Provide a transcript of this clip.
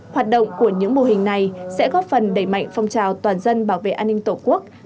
hoạt động của những mô hình này sẽ góp phần đẩy mạnh phong trào toàn dân bảo vệ an ninh tổ quốc